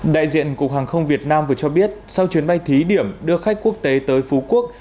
đại diện cục hàng không việt nam vừa cho biết sau chuyến bay thí điểm đưa khách quốc tế tới phú quốc